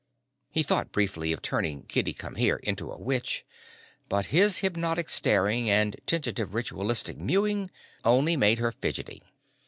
(He thought briefly of turning Kitty Come Here into a witch, but his hypnotic staring and tentative ritualistic mewing only made her fidgety.)